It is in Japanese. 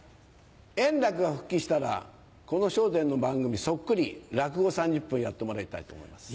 円楽が復帰したらこの『笑点』の番組そっくり落語を３０分やってもらいたいと思います。